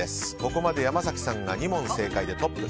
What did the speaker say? ここまで山崎さんが２問正解でトップ。